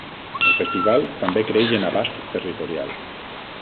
El festival també creix en abast territorial.